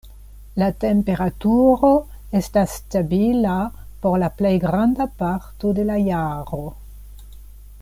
La temperaturo estas stabila por la plej granda parto de la jaro.